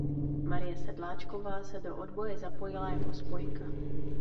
Marie Sedláčková se do odboje zapojila jako spojka.